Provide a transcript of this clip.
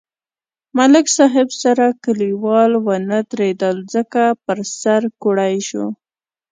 ملک صاحب سره کلیوال و نه درېدل ځکه په سر کوړئ شو.